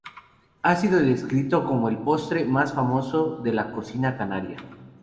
Ha sido descrito como el postre "más famoso" de la cocina canaria.